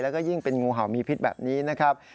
แล้วก็ยิ่งเป็นงูเห่ามีพิษแบบนี้นะครับ